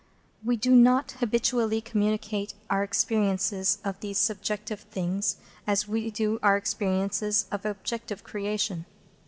We do not habitually communicate our experiences of these subjective things as we do our experiences of objective creation.